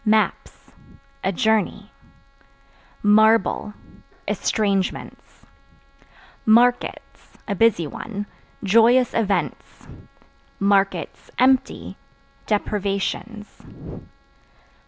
Maps A journey. Marble Estrangements. Markets (A busy one) joyous events; (empty) deprivations.